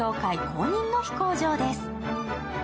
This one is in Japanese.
公認の飛行場です。